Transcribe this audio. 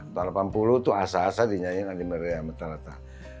tahun delapan puluh tuh asa asa dinyanyiin andi maria matalata